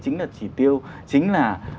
chính là chỉ tiêu chính là